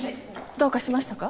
どうかしましたか？